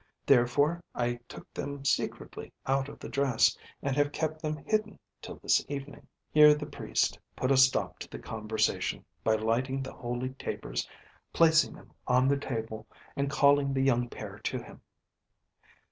Therefore I took them secretly out of the dress, and have kept them hidden till this evening." Here the Priest put a stop to the conversation, by lighting the holy tapers, placing them on the table, and calling the young pair to him.